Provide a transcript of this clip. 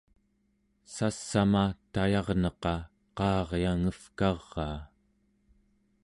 sass'ama tayarneqa qaaryangevkaraa